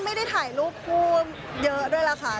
ไม่ได้ถ่ายรูปคู่เยอะด้วยล่ะค่ะ